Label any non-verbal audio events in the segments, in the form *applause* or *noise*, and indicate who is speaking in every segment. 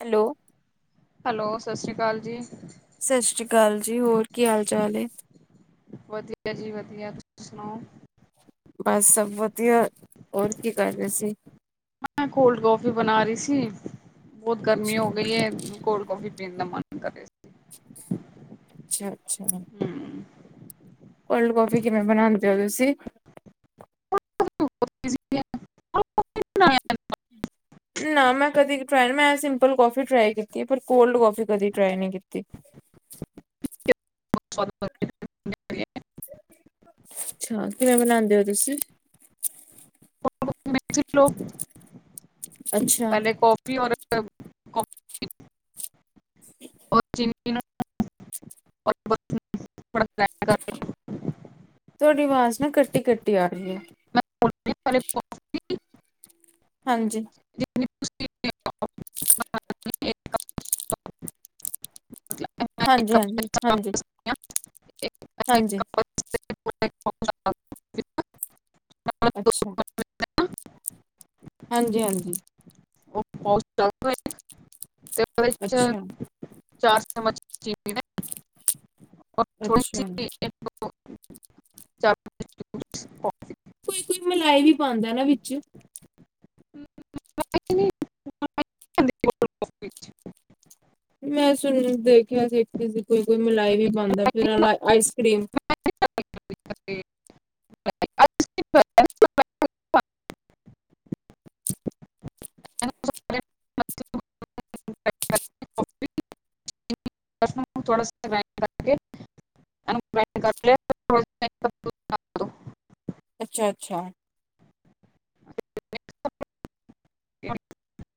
Speaker 1: Hello
Speaker 2: hello ਸਤਿ ਸ਼੍ਰੀ ਅਕਾਲ ਜੀ
Speaker 1: ਸਤਿ ਸ੍ਰੀ ਅਕਾਲ ਜੀ ਹੋਰ ਕੀ ਹਾਲ ਚਾਲ
Speaker 2: ਵਧੀਆ ਜੀ ਵਧੀਆ ਸੁਣਾਓ
Speaker 1: ਬਸ ਸਭ ਵਧੀਆ ਹੋਰ ਕੀ ਕਰ ਰਹੇ ਸੀ
Speaker 2: ਮੈਂ ਕੋਲਡ ਕੌਫੀ ਬਣਾ ਰਹੀ ਸੀ ਬਹੁਤ ਗਰਮੀ ਹੋ
Speaker 1: ਅੱਛਾ
Speaker 2: ਗਈ ਹੈ ਕੋਲਡ ਕੌਫੀ ਇੰਨਾ ਮਨ ਕਰੇ ਸੀ
Speaker 1: ਅੱਛਾ ਅੱਛਾ
Speaker 2: ਹਮ
Speaker 1: ਕੋਲਡ ਕੌਫੀ ਕਿਵੇਂ ਬਣਾਉਂਦੇ ਹੋ ਤੁਸੀਂ
Speaker 2: *unintelligible*
Speaker 1: ਨਾ ਮੈਂ ਕਦੇ ਟਰਾਈ ਮੈਂ ਸਿੰਪਲ ਕਾਫੀ ਟਰਾਈ ਕੀਤੀ ਪਰ ਕੋਲਡ ਕਫੀ ਕਦੀ ਟਰਾਈ ਨਹੀਂ ਕੀਤੀ
Speaker 2: *unintelligible*
Speaker 1: ਅੱਛਾ ਕਿਵੇਂ ਬਨਾਉਂਦੇ ਹੋ ਤੁਸੀਂ
Speaker 2: *unintelligible*
Speaker 1: ਅੱਛਾ
Speaker 2: ਪਹਿਲੇ ਕੌਫੀ ਔਰ *unintelligible* ਉਹ ਚੀਨ *unintelligible*
Speaker 1: ਤੁਹਾਡੀ ਆਵਾਜ਼ ਨਾ ਕੱਟੀ ਕੱਟੀ ਆ ਰਹੀ ਹੈ
Speaker 2: ਮੈਂ
Speaker 1: ਹਾਂਜੀ
Speaker 2: *unintelligible*
Speaker 1: ਹਾਂਜੀ ਹਾਂਜੀ ਹਾਂਜੀ ਹਾਂਜੀ
Speaker 2: *unintelligible*
Speaker 1: ਅੱਛਾ ਹਾਂਜੀ ਹਾਂਜੀ
Speaker 2: ਉਹ ਬਹੁਤ ਚੰਗਾ ਤੇ ਅੱਛਾ ਚਾਰ ਚਮਚ ਚੀਨੀ ਦੇ ਥੋੜੀ ਸੀ
Speaker 1: ਅੱਛਾ
Speaker 2: *unintelligible*
Speaker 1: ਕੋਈ ਕੋਈ ਮਿਲਾਈ ਵੀ ਪਾਉਂਦਾ ਨਾ ਵਿੱਚ
Speaker 2: *unintelligible*
Speaker 1: ਮੈਂ ਤੁਨੂੰ ਦੇਖਿਆ ਸੀ ਇੱਕ ਕੋਈ ਕੋਈ ਮਲਾਈ
Speaker 2: ਮੈਂ
Speaker 1: ਵੀ ਪਾਉਂਦਾ ਫਿਰ
Speaker 2: ਨਹੀਂ
Speaker 1: ਆਈਸ ਕਰ੍ਰੀਮ
Speaker 2: ਮੈਂ *unintelligible* *unintelligible* ਕੌਫੀ ਥੋੜਾ
Speaker 1: ਅੱਛਾ ਅੱਛਾ
Speaker 2: ਕਿ *inaudible*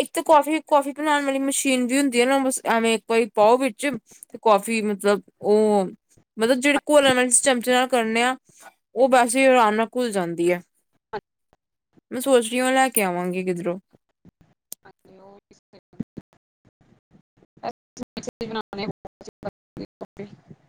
Speaker 1: ਇੱਕ ਤਾਂ ਕਾਫੀ -ਕਾਫੀ ਬਣਾਉਣ ਵਾਲੀ ਮਸ਼ੀਨ ਵੀ ਹੁੰਦੀ ਹੈ ਨਾ, ਬ ਐਵੇਂ ਇੱਕ ਵਾਰੀ ਪਾਓ ਵਿੱਚ ਤੇ ਕਾਫੀ ਮਤਲਬ ਉਹ ਮਤਲਬ ਜਿਹੜੇ ਘੋਲਣ ਵਾਲੇ ਚਮਚੇ ਨਾਲ ਕਰਨੇ ਆ, ਉਹ ਵੈਸੇ ਆਰਾਮ ਨਾਲ ਘੁਲ ਜਾਂਦੀ ਹੈ। ਮੈਂ ਸੋਚ ਰਹੀ ਉਹ ਲੈ ਕੇ ਆਵਾਂਗੀ ਕਿੱਧਰੋਂ?
Speaker 2: *inaudible*